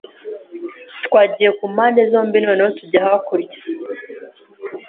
Twagiye ku mpande zombi noneho tujya hakurya